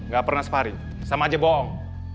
gak pernah separin sama aja bohong